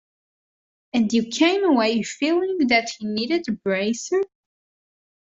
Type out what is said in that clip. And you came away feeling that he needed a bracer?